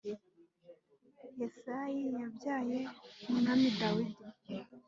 Yesayi yabyaye Umwami Dawidi